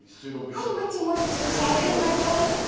はい、もちもち、さゆりんごです。